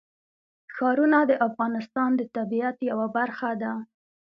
ښارونه د افغانستان د طبیعت یوه برخه ده.